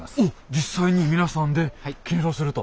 実際に皆さんで検証すると。